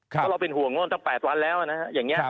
เพราะเราเป็นห่วงโน้นตั้ง๘วันแล้วนะฮะอย่างนี้